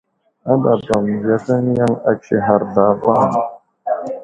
Aɗaba mənziyakaŋ yaŋ agisighar zlavaŋ.